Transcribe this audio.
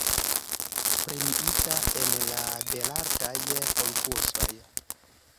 Premiita en la Belartaj Konkursoj.